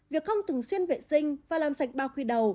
việc không thường xuyên vệ sinh và làm sạch bao khi đầu